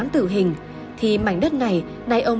đi đứng xuống